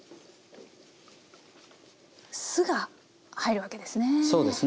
酢が入るわけですね。